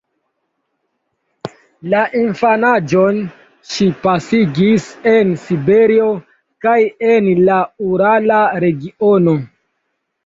La infanaĝon ŝi pasigis en Siberio kaj en la urala regiono.